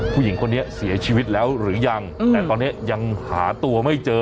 ผู้หญิงคนนี้เสียชีวิตแล้วหรือยังแต่ตอนนี้ยังหาตัวไม่เจอ